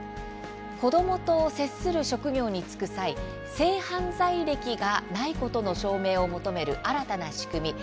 子どもと接する職業に就く際性犯罪歴がないことの証明を求める新たな仕組み